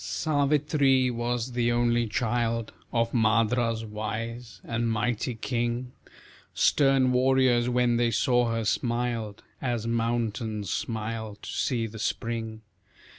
Savitri was the only child Of Madra's wise and mighty king; Stern warriors, when they saw her, smiled, As mountains smile to see the spring.